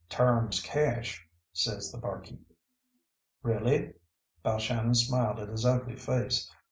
"Terms cash," says the bar keep. "Really?" Balshannon smiled at his ugly face.